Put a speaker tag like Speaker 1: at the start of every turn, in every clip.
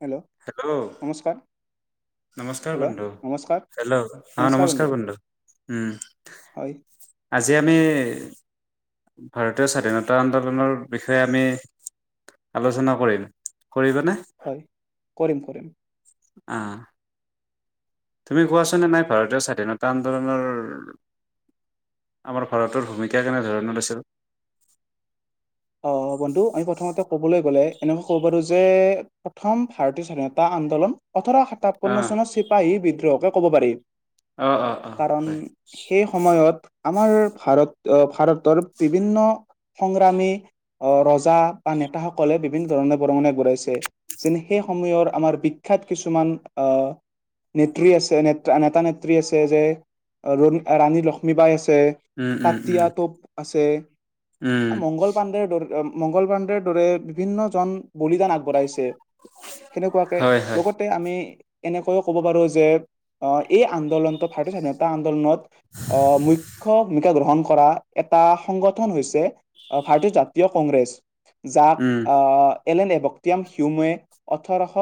Speaker 1: Hello
Speaker 2: hello
Speaker 1: নমস্কাৰ।
Speaker 2: নমস্কাৰ
Speaker 1: hello
Speaker 2: বন্ধু
Speaker 1: নমস্কাৰ
Speaker 2: হেল্ল' অ নমস্কাৰ বন্ধু উম।
Speaker 1: হয়
Speaker 2: আজি আমি- ভাৰতীয় স্বাধীনতা আন্দোলনৰ বিষয়ে আমি আলোচনা কৰিম কৰিবানে?
Speaker 1: হয় কৰিম কৰিম।
Speaker 2: আহ। তুমি কোৱাছোন এনেই ভাৰতীয় স্বাধীনতা আন্দোলনৰ আমাৰ ভাৰতৰ ভূমিকা কেনেধৰণৰ আছিল?
Speaker 1: অ বন্ধু আমি প্ৰথমতে কবলৈ গ'লে এনেকৈ ক'ব পাৰো যে প্ৰথম ভাৰতীয় স্বাধীনতা আন্দোলন- ওঠৰ
Speaker 2: অ
Speaker 1: সাতাপন্ন চনত চিপাহী বিদ্ৰোহ- ক ক'ব পাৰি।
Speaker 2: অ অ অ
Speaker 1: কাৰণ
Speaker 2: হয়
Speaker 1: সেই সময়ত- আমাৰ ভাৰত ভাৰতৰ বিভিন্ন সংগ্ৰামী অহ ৰজা বা নেতাসকলে বিভিন্ন ধৰণে বৰঙণে ঘূৰাইছে। যেনে সেই সময়ৰ আমাৰ বিখ্যাত কিছুমান আহ নেত্ৰী আছে নেতা-নেত্ৰী আছে যে ৰাণী লক্ষ্মী বাই আছে আছে
Speaker 2: উম উম উম
Speaker 1: ততিয়া টোপ আছে।
Speaker 2: উম।
Speaker 1: মংগলবাডৰ দৰে বিভিন্ন জন- বলিদান আগবঢ়াইছে সেনেকুৱাকে
Speaker 2: হয় হয়
Speaker 1: লগতে আমি এনেকৈয়ও ক'ব পাৰো যে আহ এই আন্দোলনত ভাৰতীয় স্বাধীনতা আন্দোলনত আহ মূখ্য ভূমিকা গ্ৰহণ কৰা এটা সংগঠন হৈছে- ভাৰতীয় জাতীয় কংগ্ৰেছ। যাক
Speaker 2: উম
Speaker 1: আহ- এলেন এভকটিয়াম হিউমে ওঠৰশ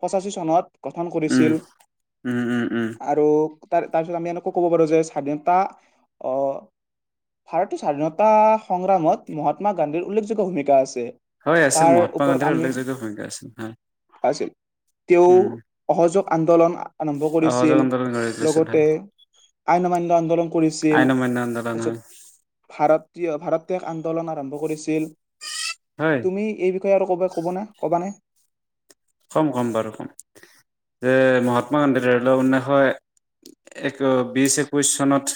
Speaker 1: পঁচাশী চনত- গঠন
Speaker 2: উম
Speaker 1: কৰিছিল
Speaker 2: উম উম উম
Speaker 1: আৰু- তাৰ তাৰপিছত আমি এনেকৈ ক'ব পাৰোঁ যে স্বাধীনতা ভাৰতৰ স্বাধীনতা সংগ্ৰামত- মহাত্মা গান্ধীৰ উল্লেখয্য ভূমিকা আছে।
Speaker 2: হয় আছিল
Speaker 1: তাৰ
Speaker 2: মহাত্মা
Speaker 1: ওপৰত
Speaker 2: গান্ধীৰ
Speaker 1: আমি
Speaker 2: উল্লেখযোগ্য ভূমিকা আছিল হয়।
Speaker 1: আছিল তেওঁ অসহযোগ আন্দোলন- আৰম্ভ
Speaker 2: অসহযোগ
Speaker 1: কৰিছিল
Speaker 2: আন্দোলন গঢ়ি তুলিছিল
Speaker 1: লগতে
Speaker 2: হয়
Speaker 1: আইন মান্য আন্দোলন কৰিছিল
Speaker 2: আইন অমান্য আন্দোলন
Speaker 1: তাৰপিছত
Speaker 2: হয়
Speaker 1: ভাৰতীয় ভাৰত- [unintelligible] আন্দোলন আৰম্ভ কৰিছিল।
Speaker 2: হয়
Speaker 1: তুমি এই বিষয়- আৰু কব ক'ব না ক'বা নে?
Speaker 2: কম ক'ম বাৰু কম যে মহাত্মা গান্ধী ধৰি লওক ঊনৈছশ এক বিশ একৈশ চনত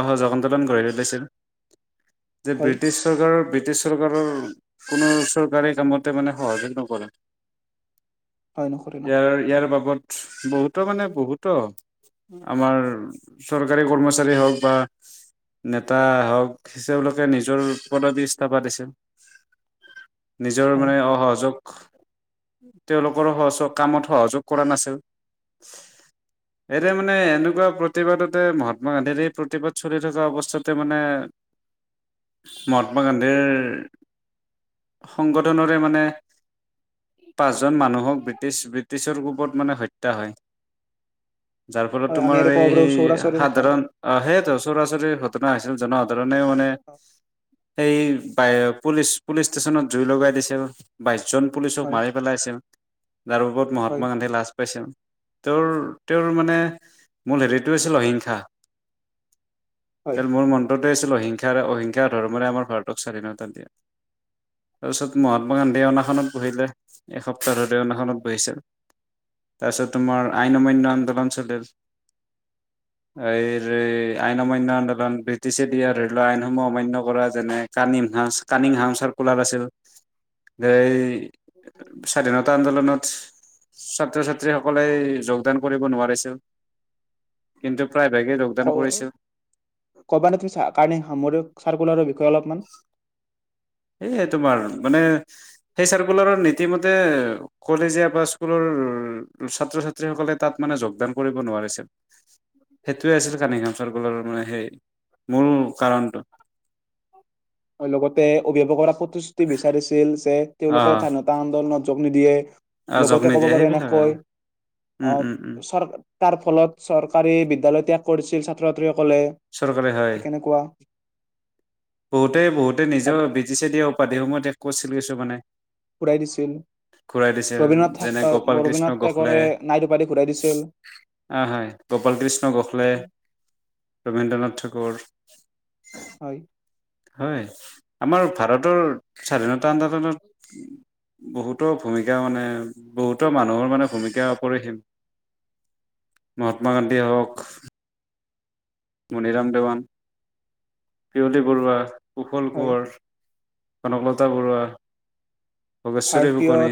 Speaker 2: অহযোগ আন্দোলন গঢ়ি তুলিছিল। যে
Speaker 1: হয়
Speaker 2: ব্ৰিটিছ চৰকাৰৰ ব্ৰিটিছ- চৰকাৰৰ কোনো- চৰকাৰে কামতে মানে- হয় [unintelligible]
Speaker 1: হয় নকৰে ন
Speaker 2: ইয়াৰ ইয়াৰ বাবদ, বহুতো মানে বহুতো, আমাৰ চৰকাৰী কৰ্মচাৰী হওক বা নেতা হওক, তেওঁলোকে নিজৰ পদবী ইস্তা পাতিছে। নিজৰ
Speaker 1: হয়
Speaker 2: মানে অসহযোগ, তেওঁলোকৰ সচ কামত সহযোগ কৰা নাছিল । এতে মানে এনেকুৱা প্ৰতিবাদতে মহাত্মা গান্ধীৰ এই প্ৰতিবাদ চলি থকা অৱস্থাতে মানে মহাত্মা গান্ধীৰ সংগঠনৰে মানে, পাঁচজন মানুহক ব্ৰিটিছ ব্ৰিটিছৰ গ্ৰুপত মানে হত্যা হয় । যাৰ ফলত
Speaker 1: হয় আমি
Speaker 2: তোমাৰ
Speaker 1: আৰু
Speaker 2: এই
Speaker 1: ক'ব পাৰো
Speaker 2: সেই
Speaker 1: চৌৰাচৰি কথা
Speaker 2: সাধাৰণ অ সেইয়েতো চৌৰাচৰি, ছিল জন [unintelligible] ধৰণে মানে সেই, বাই পুলিচ পুলিচ ষ্টেচনত জুই লগাই দিছিল বাইশজন । পুলিচক
Speaker 1: হয়
Speaker 2: মাৰি পেলাইছিল । যাৰ ওপৰত
Speaker 1: হয়
Speaker 2: মহাত্মা গান্ধী লাজ পাইছিল । তেওঁৰ তেওঁৰ মানে মূল হেৰিটো আছিল অহিংসা ।
Speaker 1: হয়
Speaker 2: তেল মোৰ মনটোত, [unintelligible] অহিংসাৰে অহিংসা ধৰ্মৰে আমাৰ ভাৰতক স্বাধীনতা দিয়া । তাৰপিছত মহাত্মা গান্ধীয়ে অনাখনত, বহিলে । এসপ্তাহ ধৰি অন্নক্ষণত বহিছিল । তাৰপিছত তোমাৰ আইন অমান্য আন্দোলন চলিল । এই আইন অমান্য আন্দোলন, ব্ৰিটিছে দিয়া ধৰি লোৱা আইনসমূহ অমান্য কৰা, যেনে cunning Hang cunning Hang circular আছিল । এই, স্বাধীনতা আন্দোলন, ছাত্ৰ ছাত্ৰীসকলে যোগদান কৰিব নোৱাৰিছিল । কিন্তু প্ৰায়ভাগে যোগদান কৰিছিল
Speaker 1: কবানে তুমি কাৰণে সাম চাৰ্কুলাৰ [unintelligible] অলপমান ।
Speaker 2: এইয়ে তোমাৰ মানে, সেই চাৰ্কুলাৰ নীতিমতে কলেজীয়া বা স্কুলৰ ছাত্ৰ ছাত্ৰীসকলে তাত মানে যোগদান কৰিব নোৱাৰিছিল । সেইটোৱে আছিল কানিং হাম চাৰ্কুলাৰ মানে সেই মূল কাৰণটো‌‌ ।
Speaker 1: আৰু লগত, অভিভাৱক কৰা প্ৰতিশ্ৰুতি বিচাৰিছিল যে, তেওঁলোকে
Speaker 2: অ
Speaker 1: স্বাধীনতা আন্দোলন, যোগ নিদিয়ে
Speaker 2: অ
Speaker 1: ।
Speaker 2: জব
Speaker 1: লগতে ক'ব
Speaker 2: নিদিয়ে
Speaker 1: পাৰো
Speaker 2: সেইবিলাক আ
Speaker 1: এনেকৈ,
Speaker 2: উম
Speaker 1: আহ
Speaker 2: উম উম
Speaker 1: চৰকাৰ ফলত চৰকাৰী বিদ্যালয় ত্যাগ কৰিছিল । ত [unintelligible] ক'লে ঠিক তেনেকুৱা ।
Speaker 2: বহুতেই বহুতে নিজৰ ব্ৰিটিছে দিয়া উপাধিসমূহ, ক'তছিলৈছো মানে
Speaker 1: ঘূৰাই দিছিল
Speaker 2: [unintelligible] ঘূৰাই দিছিল
Speaker 1: ৰবীন্দ্ৰনাথ
Speaker 2: ।
Speaker 1: ঠাক
Speaker 2: যেনে গোপাল কৃষ্ণ
Speaker 1: ৰবীন্দ্ৰনাথ
Speaker 2: গোখলে,
Speaker 1: টেগৰে নাইট উপাধি ঘূৰাই দিছিল।
Speaker 2: অ হয়, গোপাল কৃষ্ণ গোখলে ৰবীন্দ্ৰনাথ, ঘৰ [unintelligible]
Speaker 1: হয়
Speaker 2: হয় আমাৰ ভাৰতৰ স্বাধীনতা আন্দোলনত বহুতো ভূমিকা মানে বহুতো মানুহৰ মানে ভূমিকাপহীম মহাত্মা গান্ধীয়ে হওঁক মনিৰাম দেৱান পিয়লি বৰুৱা কোশল
Speaker 1: হয়
Speaker 2: কোঁৱৰ কনক লতা বৰুৱা ভোগেশ্বৰী
Speaker 1: ভাৰতীয়
Speaker 2: ফুকনি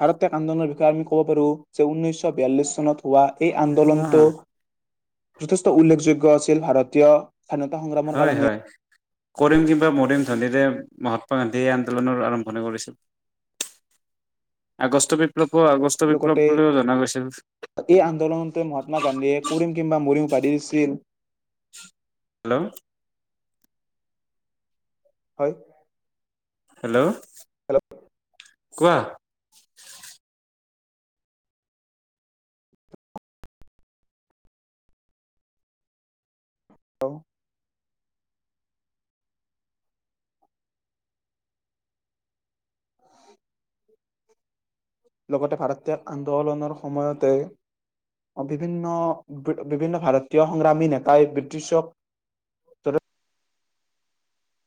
Speaker 1: ভাৰত আন্দোলনৰ বিষয়ে আমি ক'ব পাৰো যে উঊনৈশ ছ বিয়াল্লিছ চত বা এই আন্দোলনটো
Speaker 2: আহ
Speaker 1: যথেষ্ট উল্লেখযোগ্য আছিল ভাৰতীয় স্বাধীনতা সংগ্ৰামৰ
Speaker 2: হয়
Speaker 1: কাৰণে ।
Speaker 2: হয় কৰিম কিম্বা মৰিম ধনিৰে মহাত্মা গান্ধীয়ে এই আন্দোলনৰ আৰম্ভণি কৰিছিল আগষ্ট ।
Speaker 1: লগতে এই আন্দোলনতে মহাত্মা গান্ধীয়ে কৰিম কিম্বা মৰিম । পাৰছিলিন
Speaker 2: হেল্ল' ।
Speaker 1: হয়।
Speaker 2: হেল্ল' কোৱা ।
Speaker 1: হ [inaudible] লগতে ভাৰতীয় আন্দোলনৰ সময়তে বিভিন্ন বিভিন্ন ভাৰতীয় সংগ্ৰামী নেতাই ব্ৰিটিছক